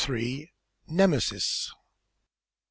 NEMESIS. "Mr.